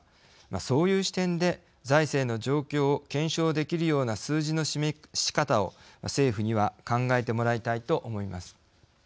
そういう視点で財政の状況を検証できるような数字の示し方を政府には考えてもらいたいと思います。